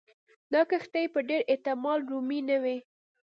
دا کښتۍ په ډېر احتمال رومي نه وې.